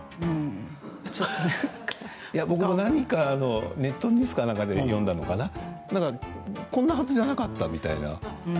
僕ネットニュースか何かで読んだのかなこんなはずじゃなかったみたいな。